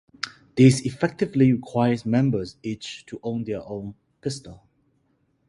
This effectively requires members each to own their own pistol.